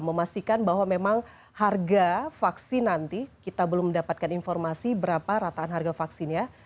memastikan bahwa memang harga vaksin nanti kita belum mendapatkan informasi berapa rataan harga vaksin ya